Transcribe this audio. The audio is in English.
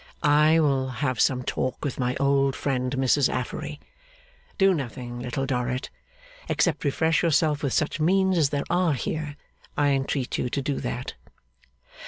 I will have some talk with my old friend, Mrs Affery. Do nothing, Little Dorrit except refresh yourself with such means as there are here. I entreat you to do that.